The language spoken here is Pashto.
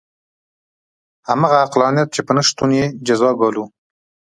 همغه عقلانیت چې په نه شتون یې جزا ګالو.